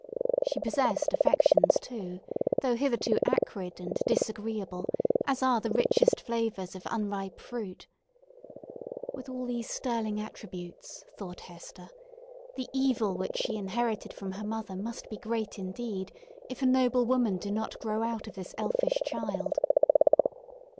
She possessed affections, too, though hitherto acrid and disagreeable, as are the richest flavours of unripe fruit. With all these sterling attributes, thought Hester, the evil which she inherited from her mother must be great indeed, if a noble woman do not grow out of this elfish child.